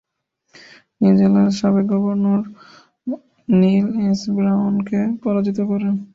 তিনি জেলার সাবেক গভর্নর নিল এস. ব্রাউনকে পরাজিত করেন।